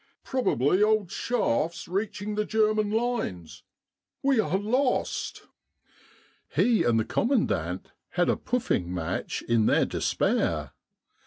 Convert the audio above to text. " Probably old shafts reach ing the German lines. We are lost." He and the commandant had a pouffing match in their despair.